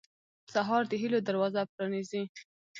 سهار د هيلو دروازه پرانیزي.